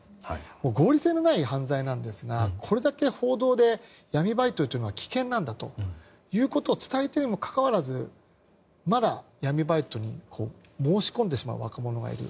合理性のない犯罪なんですがこれだけ報道で闇バイトというのは危険なんだということを伝えているにもかかわらずまだ、闇バイトに申し込んでしまう若者がいる。